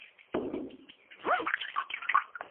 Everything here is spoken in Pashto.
د دولتونو ترمنځ اړيکي ټينګي سوي دي.